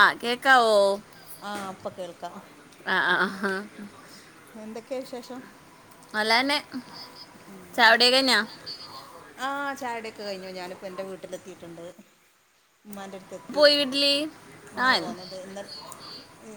ആ കേക്കാവോ ആ ആ ഹ് [inaudible] എന്തൊക്കെ വിശേഷം നല്ലതന്നെ ചായുടിഒക്കെ കഴിഞ്ഞോ കഴിഞ്ഞു ഞാനിപ്പോ എന്റെ വീട്ടിക്കെത്തിയിട്ട്ണ്ട് ഉമ്മാൻ്റടുത്തെത്തി ന്നാ പോന്നത് ന്നാ ഏ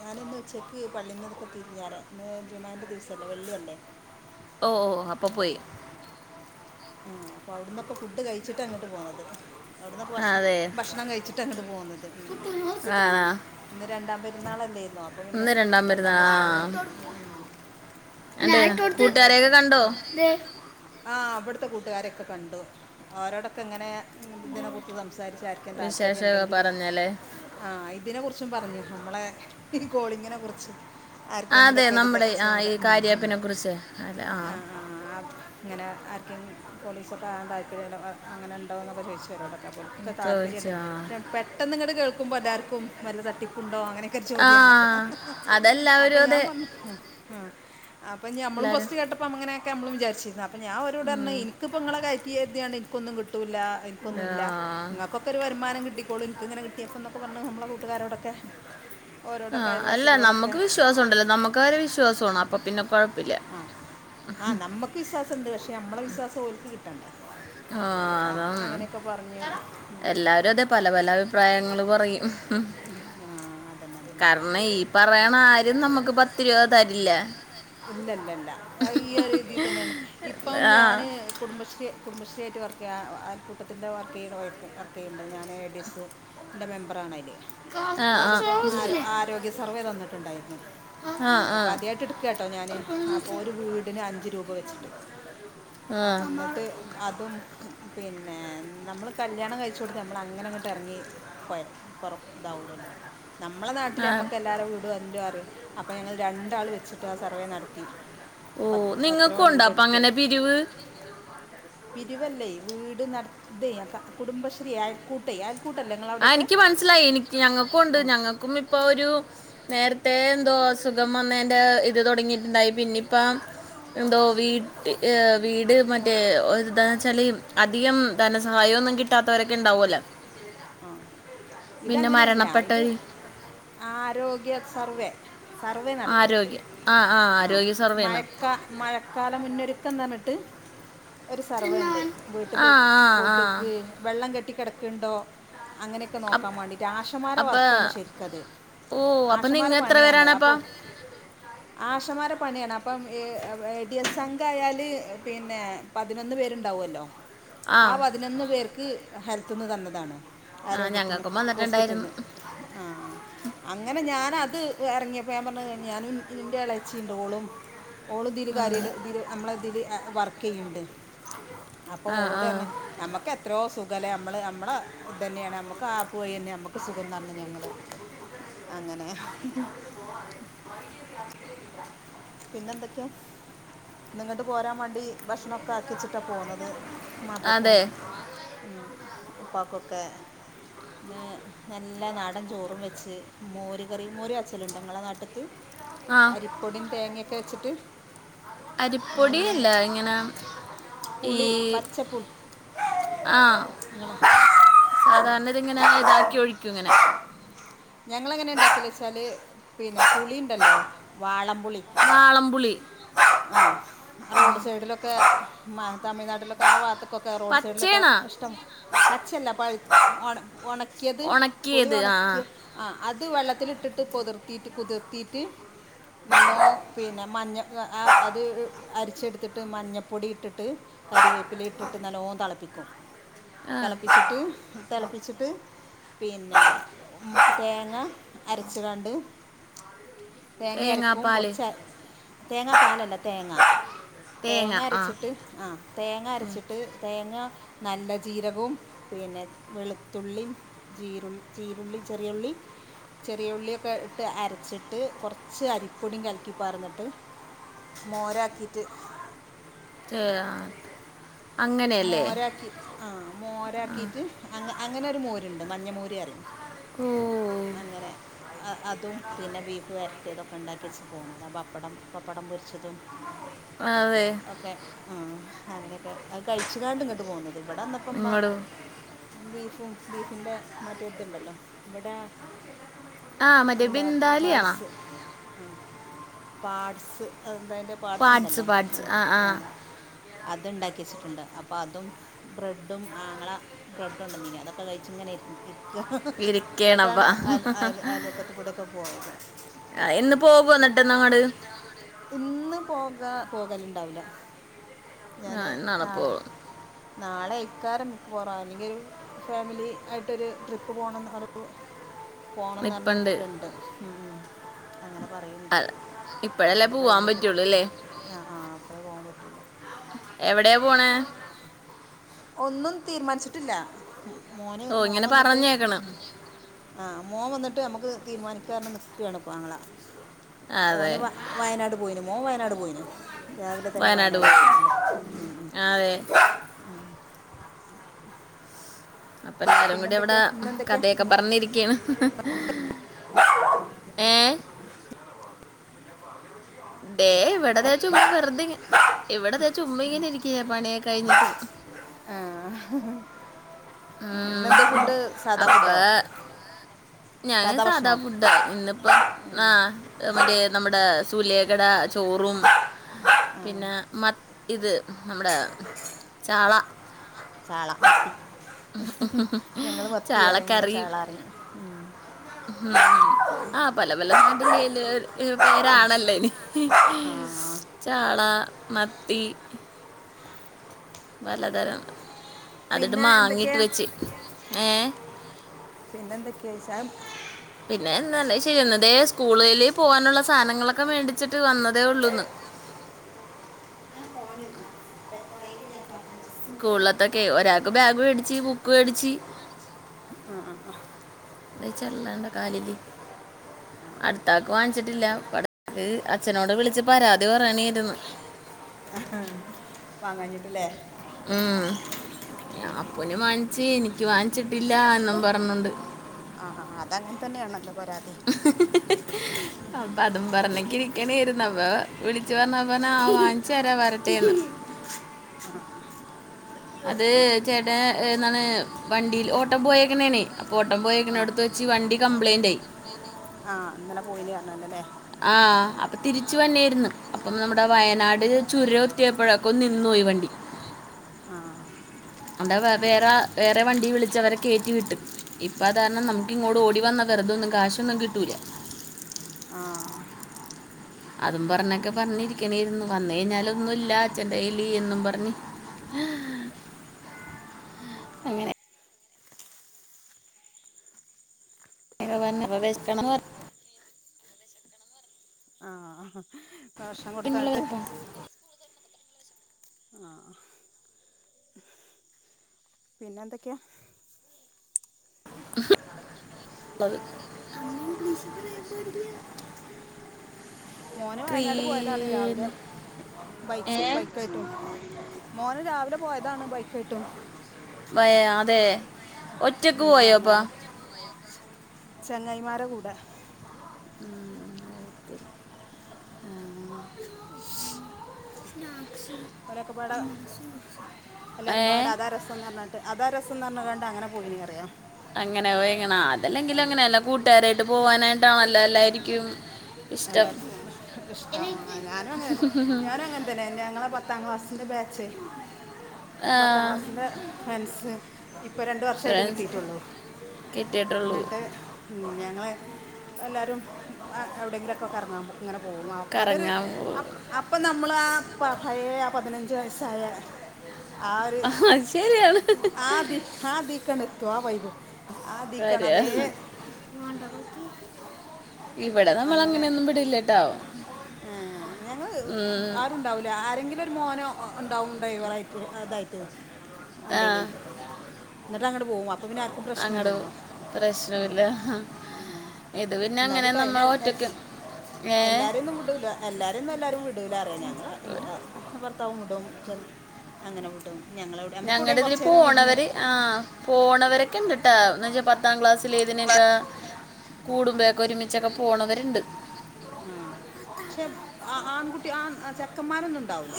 ഞാനിന്നുച്ചക്ക് പള്ളിന്നതൊക്കെ തി ഞ്ഞര ന്ന് ജുമഅ ൻ്റെ ദിവസല്ലേ വെള്ളി അല്ലേ ഓ അപ്പ പോയി ആഹ് അപ്പൊ അവിടന്നൊക്കെ ഫുഡ് കഴിച്ചിട്ടാ അങ്ങോട്ട് പോന്നത് അവിടുന്ന് ഭക്ഷണം ഭക്ഷണം കഴിച്ചിട്ടാ അങ്ങോട്ട് പോകുന്നത് ഇന്ന് രണ്ടാം പെരുന്നാളല്ലേുന്നോ അപ്പൾ പിന്നെ രണ്ടാം പെരുന്നാളും രണ്ടാം പെരുന്നാളായിട്ട്- ആ അവിട ത്തെ കൂട്ടുകാരെയൊക്കെ കണ്ടു അവരോടൊക്കെ ഇങ്ങനെ- ഇതിനെക്കുറിച്ച് സംസാരിച്ച് ആർക്കും താൽല്പര്യം ഉണ്ടെങ്കിൽ ആ ഇതിനെക്കുറിച്ചും പറഞ്ഞു നമ്മളെ- ഈ കോളിങ്ങിനെ കുറിച്ച് ആർക്കെങ്കിലൊക്കെ ഇത് തെറിച്ച നേരം ആ ആ ആ ഇങ്ങനെ ആർക്കെൻ പോലീസൊക്കെ ആകാൻ താൽപര്യലോആ അങ്ങനെണ്ടോന്നൊക്കെ ചോയ്ചോലോട ക്കെ നമുക്കൊക്കെ താല്പര്യണ്ട് പക്ഷെ പെട്ടെന്ന് ങ്ങട്ട് കേൾ ക്കുമ്പോഎല്ലാർക്കും വല്ല തട്ടിപ്പും ണ്ടോ അങ്ങനക്കൊരുചോദ്യാണല്ലോ അപ്പൊ ഞാൻ പറഞ്ഞു അ ആ അപ്പൊ ഞമ്മളും ഫസ്റ്റ് കേട്ടപ്പോ അങ്ങനെ നമ്മളും വിചാരിച്ചീർന്നാണ് ഞാഓരോടർഞ്ഞേയ് ഇത്പ്പോങ്ങളെ കയറ്റും റ്റ്യർതിക്കാണ്ട് എനിക്കൊന്നും കിട്ടൂല്ല എനിക്കൊന്നുല്ല ഇങ്ങക്കൊക്കെ ഒരു വരുമാനം കിട്ടിക്കോളിം ഇൻക്ക്ങ്ങനെ കിട്ടിയപ്പം ന്നൊക്കെ പറഞ്ഞ് നമ്മളെ പൊ കൂട്ടുകാരോടൊക്കെ ആഹ അല്ല നമ്മക്ക് വിശ്വാസുണ്ടല്ലോ നമ്മക്ക് അവരെ വിശ്വാസാണ് അപ്പൊ പിന്നെ കൊഴപ്പില്ല്യാ ഓൽക്ക് കിട്ടണ്ടേ അ ആ അതാണ് എല്ലാരും അതെ പല പല അഭിപ്രായങ്ങൾ പറയും കാരണം ഈ പറയണ ആരും നമ്മക്ക് പത്ത് രൂപ തരില്ല ന്താ ആഹ ശ്രീ കുടുംബശ്രീയായിട്ട് വർക്ക് ചെയ്യാ അയൽക്കൂട്ടത്തിൻ്റെ വർക്ക് ചെയ്ത വയ്ക്ക് വർക്കയ്യ്ണ്ട് ഞാൻ എഡിഎസ്സ് ന്റെ മെമ്പറാണ് അയില് എന്നിട്ടിപ്പം ആരോ ആരോഗ്യ സർവേ തന്നിട്ടുണ്ടായിരുന്നു. അപ്പം ആദ്യായിട്ട് എടുക്കാട്ടോ ഞാന് അപ്പോ ഒരു വീടിന് അഞ്ച് രൂപ വെച്ചിട്ട്. അ അന്നിട്ട് അതും പിന്നെ നമ്മള് കല്യാണം കഴിച്ച് കൊടുത്ത നമ്മൾ അങ്ങനങ്ങോട്ട് ഇറങ്ങി പൊയം പൊറം ഇതാവില്ലല്ലോ? നമ്മളെ നാട്ടില് നമ്മക്ക് എല്ലാരെ വീടും എല്ലാം അറിയാം. അപ്പൊ ഞങ്ങൾ രണ്ടാള് വെച്ചിട്ടാ ആ സർവേ നടത്തി. ഓ നിങ്ങൾക്കുണ്ടാ അപ്പങ്ങന പിരിവ്? പിരുവല്ലേ വീട് നട ഇതേ കുടുംബശ്രീ ആയൽക്കൂട്ടേ ആ ഇനിക്ക് മനസ്സിലായി ഇനിക്ക് ഞങ്ങക്കും ഉണ്ട് ഞങ്ങക്കും ഇപ്പൊ ഒരു നേരത്തെ എന്തോ അസുഖം വന്നേന്റെ ഇത് തുടങ്ങിയിട്ടുണ്ടായി പിന്നിപ്പ എന്തോ വീട്ട് വീട് മറ്റേ എന്താന് വെച്ചാല് അധികം ധനസഹായം ഒന്നും കിട്ടാത്തവരൊക്കെ ഇണ്ടാവൊല്ലോ ഇതങ്ങനെയല്ല ഇത് ആരോഗ്യ സർവേ സർവേ നടത്തആ മഴക്ക മഴക്കാല മുന്നൊരുക്കംന്നർഞ്ഞ് ട്ട് ഒരു സർവേണ്ട് വീട്ടില് കൊതുക് വെള്ളം കെട്ടി കെട ക്ക്ണ്ടോ അങ്ങനെക്കെ നോക്കാൻ വേണ്ടീട്ട് ആഷമാര വർക്കാണ് ശരിക്കത് ആഷമാര പണിയാണ് അപ്പോ ആഷമാര പണിയാണ് അപ്പം ഏ എ ഡി എസ് അംഗായാല് പിന്നെ പതിനൊന്ന് പേര്ണ്ടാവൊല്ലോ ആ പതിനൊന്ന് പേർക്ക് ഹെൽത്ത്ന്ന് തന്നതാണ് ആരോഗ്യത്തിന് ഹോസ്പിറ്റൽന്ന് ആഹ് അങ്ങനെ ഞാന അത് എറങ്ങിയപ്പോ ഞാൻ പറഞ്ഞ് ഞാനും ന്റെ എളേച്ചി ഉണ്ട് ഓളും ഓള് ഇതില് കാര്യേല് ഇതില് നമ്മളെ ഇതില് വർ ക്കെയ്യ് ണ്ട് അപ്പൊ ഓളോടർഞ്ഞ് ഞമ്മക്ക് എത്രയോ സു ഖാണ് നമ്മള് നമ്മള തന്നെയാണ് നമുക്ക് ആ പോയെന്നെ നമുക്ക് സുഖം ന്നർഞ്ഞ് ഞങ്ങള് അങ്ങനെ പിന്നെന്തെക്കെ ഇന്ന്ങ്ങട്ട് പോരാൻ വേണ്ടി ഭക്ഷണ ക്കെ ആക്ക്യച്ച്ട്ടാ പോന്നത് മാപ്പൾക്കും ഉം ഉപ്പാക്കൊക്കെ പിന്നെ നല്ല നാടൻ ചോറും വെച്ച് മോര് കറിം മോര് കാച്ചല്ണ്ടോ ഇങ്ങളെ നാട്ട്ക്ക് അരിപ്പൊടിം ക്കെ വെച്ചിട്ട് അരിപ്പൊടിയല്ല ഇങ്ങനെ ഈ ആഹ് സാധാരണ [unintelligible] ങ്ങ [inaudible] കലക്കി ഒഴിക്ക്യുങ്ങനെ ഞങ്ങളെങ്ങനെ ഇണ്ടാക്കല് ച്ചാല് പിന്നെ പുളിണ്ടല്ലോ വാളംപുളി ആഹ് റോഡ് സൈഡിലൊക്കെ മ തമിഴ്നാട്ടിലൊക്കെ ആ ഭാഅത്ത് ക്കൊക്കെ റോഡ് സൈഡിലൊക്കെ ഇഷ്ടം പച്ചല്ല പഴ് ഓണ ഒണ ക്കിയത് പുളി ഒണക്കിയ അത് വെള്ളത്തിലിട്ടിട്ട് പൊതിർത്തീട്ട് കുതിർത്തിയിട്ട് നല്ലോം പിന്നെ മഞ്ഞക്ക് ആ അത് അരിച്ചെടുത്ത്ട്ട് മഞ്ഞപ്പൊടി ഇട്ടിട്ട് കരിവേപ്പില ഇട്ടിട്ട് നല്ലോം തെളപ്പിക്കും തെളപ്പിച്ചിട്ട് തെളപ്പിച്ചിട്ട് പിന്നെ [unintelligible] അരച്ചു [unintelligible] തേങ്ങ അരക്കും കുറച്ച് തേങ്ങാ പാലല്ല തേങ്ങ തേങ്ങ അരച്ചിട്ട് ആ തേങ്ങ അരച്ചിട്ട് തേങ്ങ നല്ല ജീരകോം പിന്നെ വെളുത്തുള്ളിയും [unintelligible] ചെറിയുള്ളി ചെറിയുള്ളിയൊക്കെ ഇട്ട് അരച്ചിട്ട് കുറച്ച് അരിപ്പൊടിയും കലക്കി പർന്നിട്ട് മോരാക്കിയിട്ട് [unintelligible] മോരാക്കി ആ മോരാക്കിട്ട് അങ്ങ അങ്ങനൊ ഒരു മോരുണ്ട് മഞ്ഞ മോര് അറിയും അങ്ങനെ അ അതും പിന്നെ ബീഫ് വര [unintelligible] തൊക്കെ ഉണ്ടാക്കി യെച്ച് പോന്നതാ പപ്പടം പപ്പടം പൊര് ച്ചതും ഒക്കെ ഉം അങ്ങനെയൊക്കെ അത് കഴിച്ച് കാണ്ട് ഇങ്ങട്ട് പോന്നത് ഇവിടെന്നപ്പ മ്മ ബീഫും ബീഫിൻ്റെ മറ്റേത്ണ്ടല്ലോ ഇവടെ എന്താ പാട്സ് ആ പാർട്സ് ന്ത അയ്ന്റെ പാർട്സ് ണ്ടല്ലോ ആ അത് ഉണ്ടാക്കി ച്ച്ണ് ട്ടുണ്ട് അപ്പോ അതും ബ്രെഡും ആങ്ങള ബ്രെഡ് ണ്ടെന്നിനി അതൊക്കെ കഴിച്ച് ഇങ്ങനെ ഇരി ക്ക ഹ ഹ ന്നട്ടാണ് അയൽ അയൽ അയ വക്കത്ത് കൂടെ ഒക്കെ പോയത് ഇന്ന് പോകാ പോകലുണ്ടാവൂല്ല ആ ന്നാളെ പോ പ്പോ നാളെ എയ്ക്കാരം ക്ക് പൊറ അല്ലെങ്കി ഒരു ഫാമിലി ആയിട്ടൊരു ട്രിപ്പ് പോവ്ണംന്ന് [unintelligible] പോണംന്നർഞ് നിക്ണ്ട് ഉം അങ്ങനെ പറയണ്ട് അത് കഴിഞ്ഞിട്ടെ ആ ആ അപ്പഴേ പോവാൻ പറ്റുള്ളൂ എ പോണേ ഒന്നും തീര്മാനിച്ചിട്ടില്ല മോന് മോവന്നിട്ട് ആഹ് മോ വന്ന ട്ട് നമുക്ക് തീരുമാനിക്കാറിഞ്ഞ് നിക്കാണ് പ്പം ആങ്ങള ഓന് വ വയനാട് പോയിനു മൊ വയനാട് പോയിന് രാവിലെ തന്നെ വയനാട് പോയിട്ടുണ്ട് അപ്പ എല്ലാരും കൂടി ഇവിടെ കഥയൊക്കെ പറഞ്ഞിരിക്ക്‌യാണ് ഏ ദേ ഇവിടെതാ ചുമ്മാ വെറുതെ ഇവിടെതാ ചുമ്മാ ഇങ്ങനെ ഇരിക്ക പണിയ കഴിഞ്ഞിട്ട് ഉം അപ്പൊ ഞാന് സാധാ ഫുഡ ഇന്നിപ്പോ ആ റ്റെ നമ്മുടെ സൂലേഖട ചോറും പിന്നെ മ ഇത് നമ്മടെ ചാള ചാളാ മത്തി ഞങ്ങള് മത്തി അറിയും നിങ്ങള് ചാള അറിയും ആഹ് പല പ [unintelligible] [unintelligible] രാണല്ലേ ചാള മത്തി. പലതരം പിന്നെ എന്തൊക്കെയാ പിന്നെ എന്തൊക്കെയാ ച്ചാ പിന്നെ എന്താ ശരിന്ന് സ്കൂളില് പോവാനുള്ള സാധനങ്ങളൊക്കെ വേണ്ടിച്ചിട്ട് വന്നതേ ഉള്ളൂന്ന് സ്കൂളിലത്തൊക്കെ ഒരാൾക്ക് ബാഗ് മേടിച്ചു ബുക്ക് മേടിച്ച് ഇ ചെല്ലണ്ട കാലില് അടുത്താക്ക് വാങ്ങിച്ചിട്ടില്ല പട അച്ഛനോട് വിളിച്ച് പരാതി പറയണെരുന്നു വാങ്ങാഞ്ഞിട്ടില്ലേ ഉം അപ്പന് വാങ്ങിച്ച് എനിക്ക് വാങ്ങിച്ചിട്ടില്ല എന്നും പറഞ്ഞോണ്ട് ആഹ് അത് അങ്ങനെ തന്നെയാണല്ലോ അപ്പൊ അതും പറഞ്ഞാക്കി ഇങ്ങനെരുന്നപ്പ വിളിച്ചു പറഞ്ഞപ്പപറഞ്ഞ് വാച്ച് തരാ വരട്ടേന്ന് ആഹ് അത് ചേട്ടൻ ന്താണ് വണ്ടിൽ ഓട്ടം പോയക്കനേണ് അപ്പൊ ഓട്ടം പോയക്കനടുത്ത് വെച്ച് വണ്ടി കംപ്ലൈന്റായി ആ ഇന്നലെ പോയിലേറഞ്ഞാണ്ട്ല്ലേ ആഹ് അപ്പൊ തിരിച്ചു വരണേയിരുന്നു അപ്പം നമ്മ വിടെ വയനാട് ചുരം ത്തിയപ്പോഴാ നിന്നോയ് വണ്ടി ആ അവിടെ വേറെ വേറെ വണ്ടി വിളിച്ച അവരെ കേറ്റി വിട്ട് ഇപ്പ അതാരണം നമുക്ക് ഇങ്ങോട്ട് ഓടി വന്ന വെറുതൊന്നും കാശൊന്നും കിട്ടൂല ആ അതും പറഞ്ഞൊക്കെ പറഞ്ഞിരിക്കണേരുന്നു വന്ന കഴിഞ്ഞാലൊന്നുംല്ല അച്ഛന്റെലീ എന്നും പറഞ്ഞ് അങ്ങനെ വെഷക്കണന്ന് പറഞ്ഞ് ആഹാ ഭക്ഷണം കൊടുത്തായിട്ട് ആ പിന്നെന്തൊക്കെയാ [inaudible] മോന് വയനാട് പോയതാണ് രാവിലെ ബൈക്ക് ബൈക്കായിട്ടും മോന് രാവിലെ പോയതാണ് ബൈക്കായിട്ടും ഒറ്റക്ക് പോയോ നട്ടുചക്ക് പോയോ ചങ്ങായിമാര കൂടെ ഉം [inaudible] ഓലൊക്കപ്പാടെ എല്ലാരും പാടെ അതാരസംന്ന് പറഞ്ഞാട്ട് അതാരസ് ത്തുന്ന്റഞ്ഞ്ങ്ങാണ്ട് അങ്ങനെ പോയിനി അറിയാ അങ്ങനെയോ എങ്ങനാ അതല്ലെങ്കിലും അങ്ങനെയല്ല കൂ ട്ടാരായിട്ട് പോവാനായിട്ടാണല്ലോ എല്ലായിരിക്കും. എല്ലാർക്കും ഇഷ്ടം ആ ഞാനും അങ്ങനെ ഞാനും അങ്ങൻതന്നെ ഞങ്ങളെ പത്താം ക്ലാസ് ഇന്റെ ബാച്ചെ പത്താം ക്ലാസിന്റെ ഫ്രണ്ട്സ് ഇപ്പ രണ്ട് വർഷായിട്ട് കിട്ടീട്ടൊള്ളൂ. ഇന്നട്ട് ഞങ്ങള്, എല്ലാരും അ എവിടെങ്കിലൊ ഇപ്പൊ കർങ്ങാൻപോ ഇങ്ങനെ പോവും അ അതൊരു അപ് അപ്പം നമ്മൾ ആ പ പഴേ ആ പതിന ജ് വയസ്സായ ആര് ആദി ആദിക്കണ് [unintelligible] വരാ [unintelligible] അങ്ങനെ ഏഹ്‌ ഞങ്ങള് ആരുണ്ടാവൂല ആരെങ്കിലൊരു മോനോ ഒ ഒണ്ടാവും ടൈവറായിട്ട് അതായിട്ട് വണ്ടീല് ആഹ് ന്നട്ടങ്ങട് പോകും അപ്പം പിന്നെ ആർക്കും പ്രശ്നല്ലല്ലോ ഉം ഉം എന്നാലും എൽ എൽ എല്ലാരെയൊന്നും വുടൂല്ല എല്ലാരൊന്നാല്ലാരും വുടൂല്ല അറിയാ ഞങ്ങളെ എന്നെ ഭർത്താവ് വു ഇടും ചെൽ അങ്ങനെ വിടും ഞങ്ങളതില് ആ പോണവരൊക്കെണ്ട് എന്ന വെച്ചാ പത്താം ക്ലാസ്സിലേതിനൊക്കെ കൂടുമ്പോഴൊക്കെ ഒരുമിച്ചൊക്കെ പോണവരുണ്ട് ആ പക്ഷെ ആൺകുട്ടി ആ ചെക്കന്മാരന്നും ഉണ്ടാവൂല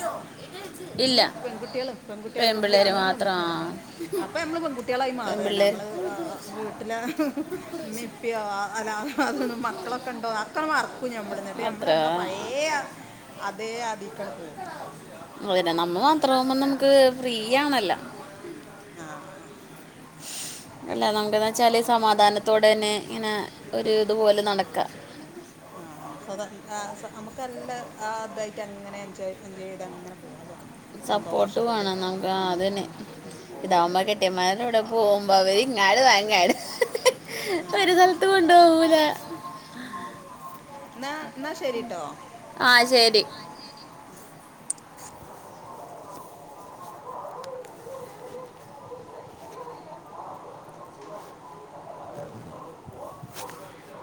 നമ്മള് പെൺകുട്ട്യാള് പെൺകുട്ട്യാള് പെണ്ണ്ങ്ങള് അപ്പൊ നമ്മള് പെൺകുട്ടാളായി മാറാണ് അമ്മള് വീട്ടില മ്മിം പ്പിം അല്ല അതൊന്നും മക്കളൊക്കെണ്ടോ ഒക്കെണ് മർക്കാ നമ്മള് നമ്മള് നമ്മളെ പഴേയായാ അതേ അതീക്കണ് പോവും [unintelligible] ഇല്ല നമ്മൾ മാത്രമാവുമ്പൊ നമക്ക് ഫ്രീ ആണല്ല ആ അല്ല നമുക്കന്ന് വെച്ചാല് സമാധാനത്തോടെന്നെ ഇങ്ങനെ ഒരു ഇതുപോലെ നടക്ക ആ നമുക്ക് എല്ലാം അതായിട്ട് അങ്ങനെ എൻജോയ്മെന്റ് ചെയ്ത് അങ്ങനെ പോവാ സ്വ സപ്പോർട്ട് വേണം നമുക്ക് ആ അതന്നെ ഇതാകുമ്പോ കെട്ടിയാമാരൂടെ പോകുമ്പോ അവര് ഇങ്ങാട് വാ ഇങ്ങാട് ഹിഹി ഒരു സ്ഥലത്ത് കൊണ്ട് പോവൂല ആ ശരി [unintelligible] [unintelligible]